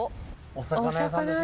お魚屋さんですね。